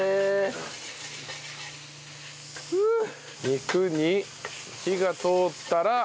肉に火が通ったら。